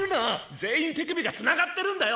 全員手首がつながってるんだよ！